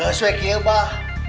gak sesuai kira mbak